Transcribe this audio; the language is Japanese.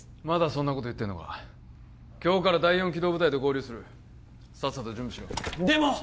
まだそんなこと言ってるのか今日から第四機動部隊と合流するさっさと準備しろでも！